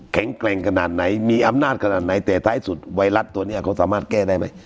แข็งแกร่งขนาดไหนมีอำนาจขนาดไหนแต่ท้ายสุดไวรัสตัวนี้เขาสามารถแก้ได้ไหม